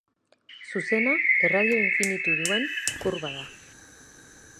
Zuzena erradio infinitu duen kurba da.